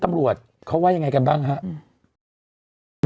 ตำรวจเขาว่ายังไงกันบ้างครับ